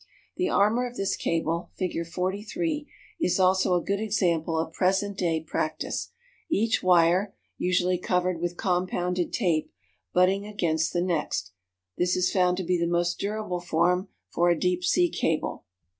The armor of this cable (Fig. 43) is also a good example of present day practise, each wire (usually covered with compounded tape) butting against the next; this is found to be the most durable form for a deep sea cable.